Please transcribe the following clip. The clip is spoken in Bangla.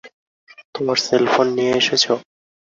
তোমার সেলফোন নিয়ে এসেছ?